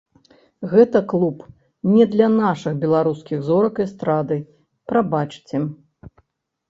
Гэта клуб не для нашых беларускіх зорак эстрады, прабачце.